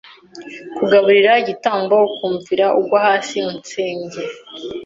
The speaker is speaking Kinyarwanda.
Kugaburira igitambo ukumvira ugwa hasi unsenge